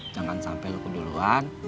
jangan sampe lo keduluan